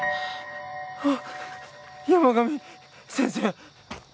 あ山上先生。